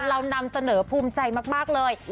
เรานำเสนอภูมิใจมากเลย